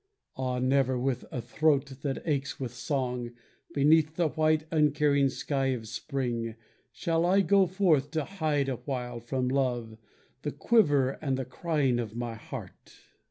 Ah, never with a throat that aches with song, Beneath the white uncaring sky of spring, Shall I go forth to hide awhile from Love The quiver and the crying of my heart.